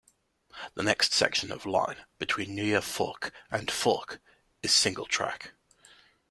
The next section of line, between Neue Forch and Forch, is single track.